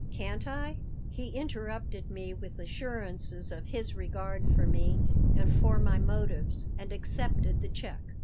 Can't I " He interrupted me with assurances of his regard for me and for my motives, and accepted the check.